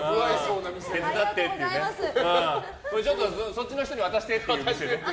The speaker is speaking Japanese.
そっちの人に渡してっていう店ね。